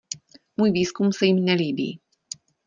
Můj výzkum se jim nelíbí.